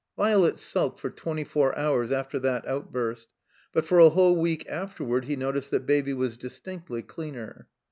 Violet sulked for twenty four hours after that out burst, but for a whole week afterward he noticed that Baby was distinctly cleaner.